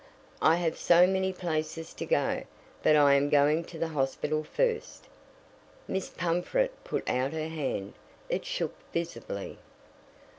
"I have so many places to go, but I am going to the hospital first." Miss Pumfret put out her hand it shook visibly.